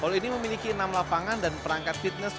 tol ini memiliki enam lapangan dan perangkat fitness